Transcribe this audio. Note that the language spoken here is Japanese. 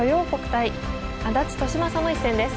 対安達利昌の一戦です。